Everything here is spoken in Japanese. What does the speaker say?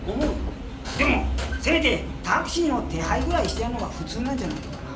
でもせめてタクシーの手配ぐらいしてやるのが普通なんじゃないのかな。